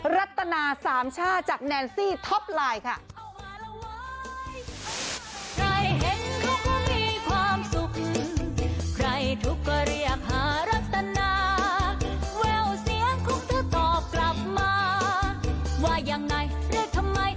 รัตนาสามชาติจากแนนซี่ท็อปไลน์ค่ะ